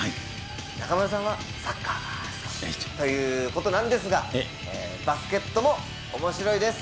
中丸さんはサッカーということなんですが、バスケットもおもしろいです。